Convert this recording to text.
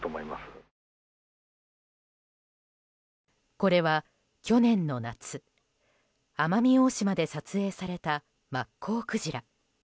これは去年の夏、奄美大島で撮影されたマッコウクジラ。